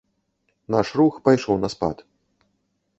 Наш рух пайшоў на спад.